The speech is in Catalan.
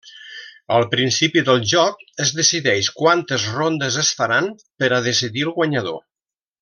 Al principi del joc es decideix quantes rondes es faran per a decidir el guanyador.